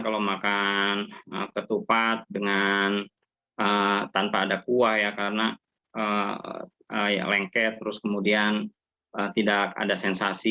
kalau makan ketupat dengan tanpa ada kuah ya karena lengket terus kemudian tidak ada sensasi